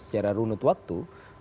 secara runut waktu